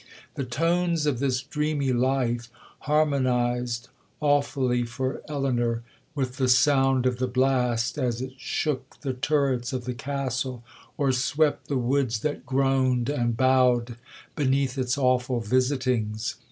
—The tones of this dreamy life harmonized, awfully for Elinor, with the sound of the blast as it shook the turrets of the Castle, or swept the woods that groaned and bowed beneath its awful visitings.